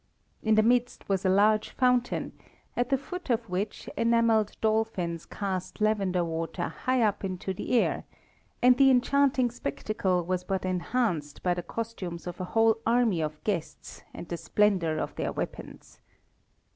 In the midst was a large fountain, at the foot of which enamelled dolphins cast lavender water high up in the air; and the enchanting spectacle was but enhanced by the costumes of a whole army of guests and the splendour of their weapons.